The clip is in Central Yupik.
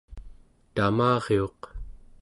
tamariuq